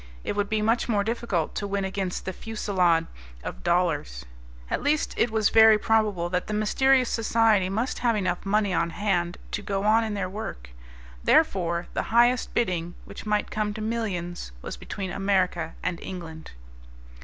It would be much more difficult to win against the fusillade of dollars. At least it was very probable that the mysterious society must have enough money on hand to go on in their work. Therefore, the highest bidding, which might come to millions, was between America and England.